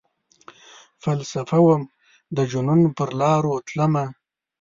فلسفه وم ،دجنون پرلاروتلمه